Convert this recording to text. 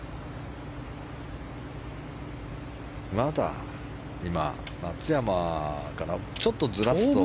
まだ、松山からちょっとずらすと。